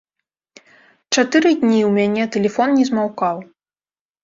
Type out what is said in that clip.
Чатыры дні ў мяне тэлефон не змаўкаў.